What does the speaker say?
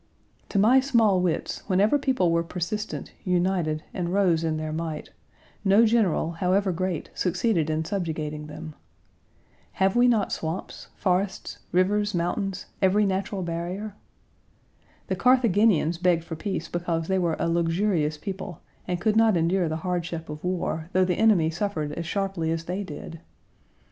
To my small wits, whenever people were persistent, united, and rose in their might, no general, however great, succeeded in subjugating them. Have we not swamps, forests, rivers, mountains every natural barrier? The Carthaginians begged for peace because they were a luxurious people and could not endure the hardship of war, though Page 148 the enemy suffered as sharply as they did!